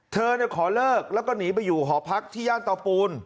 เธอขอเลิกแล้วก็หนีไปอยู่หอพักที่ย่านเตาปูน